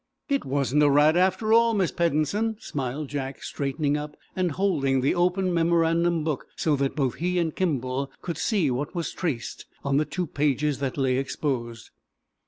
"It wasn't a rat, after all, Miss Peddensen," smiled Jack, straightening up and holding the open memorandum book so that both he and Kimball could see what was traced on the two pages that lay exposed.